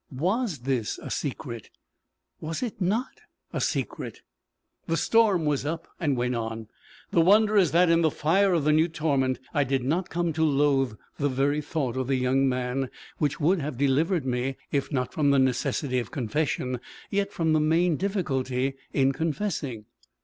Was this a secret? Was it not a secret? The storm was up, and went on. The wonder is that, in the fire of the new torment, I did not come to loathe the very thought of the young man which would have delivered me, if not from the necessity of confession, yet from the main difficulty in confessing.